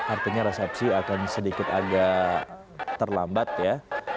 artinya resepsi akan sedikit agak terlambat ya